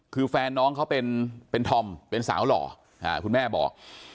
คือแฟนน้องเขาเป็นธอมเป็นสาวหล่อคุณแม่บอก